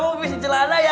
kamu pisah celana ya